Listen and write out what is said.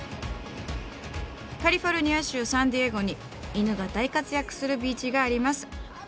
カリフォルニア州サンディエゴに犬が大活躍するビーチがあります。